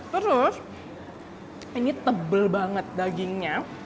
terus ini tebal banget dagingnya